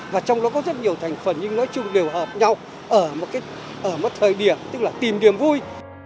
và trong đó có rất nhiều thành phần nhưng nói chung đều hợp nhau ở một thời điểm tức là tìm điểm vui